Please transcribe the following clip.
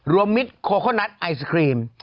มิตรโคโคนัสไอศครีม